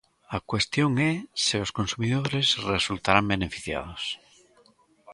A cuestión é se os consumidores resultarán beneficiados.